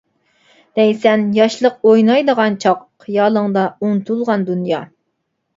دەيسەن: ياشلىق ئوينايدىغان چاغ، خىيالىڭدا ئۇنتۇلغان دۇنيا.